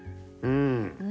うん。